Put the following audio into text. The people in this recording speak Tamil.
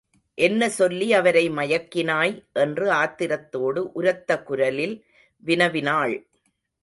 என்ன சொல்லி அவரை மயக்கினாய்? என்று ஆத்திரத்தோடு உரத்த குரலில் வினவினாள்.